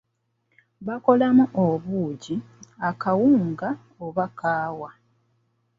Bakolamu obuugi, akawunga oba kaawa.